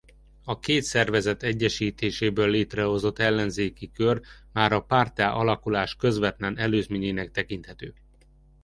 A két szervezet egyesítéséből létrehozott Ellenzéki Kör már a párttá alakulás közvetlen előzményének tekinthető.